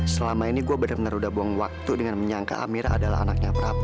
selama ini gue benar benar udah buang waktu dengan menyangka amira adalah anaknya prabu